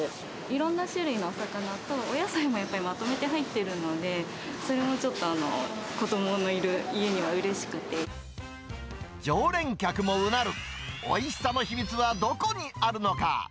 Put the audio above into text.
いろんな種類のお魚と、お野菜もやっぱりまとめて入っているので、それもちょっと、常連客もうなる、おいしさの秘密はどこにあるのか。